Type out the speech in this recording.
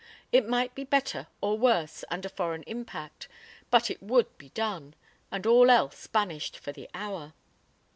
It might be better or worse under foreign impact, but it would be done, and all else banished for the hour.